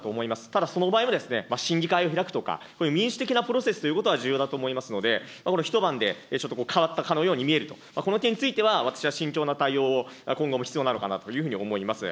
ただ、その場合は、審議会をひらくとか、民主的なプロセスということが重要だと思いますので、一晩でちょっと変わったかのように見えると、この点については、私は慎重な対応を今後も必要なのかなというふうに思います。